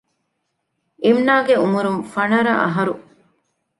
އިމްނާގެ އުމުރުން ފަނަރަ އަހަރު